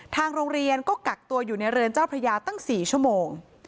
ทางโรงเรียนก็กักตัวอยู่ในเรือนเจ้าพระยาตั้ง๔ชั่วโมง